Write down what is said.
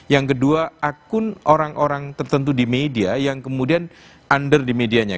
yang kedua akun orang orang tertentu di media yang kemudian under di medianya